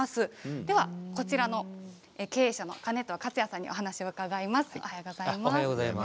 では、こちらの経営者の金藤克也さんに伺います。